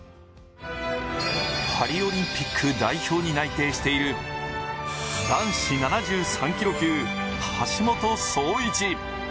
パリオリンピック代表に内定している男子７３キロ級、橋本壮市。